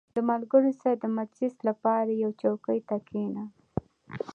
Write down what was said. • د ملګرو سره د مجلس لپاره یوې چوکۍ ته کښېنه.